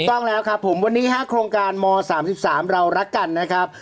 ต้องแล้วครับผมวันนี้๕โครงการม๓๓เรารักกันนะครับ